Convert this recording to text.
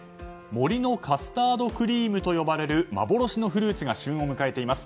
森のカスタードクリームと呼ばれる幻のフルーツが旬を迎えています。